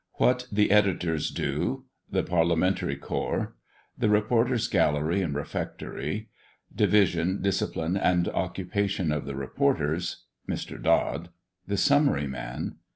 WHAT THE EDITORS DO. THE PARLIAMENTARY CORPS. THE REPORTER'S GALLERY AND REFECTORY. DIVISION, DISCIPLINE, AND OCCUPATION OF THE REPORTERS. MR. DOD. THE SUMMARY MAN.